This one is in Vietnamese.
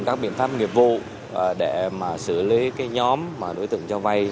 các biện pháp nghiệp vụ để xử lý nhóm đối tượng cho vay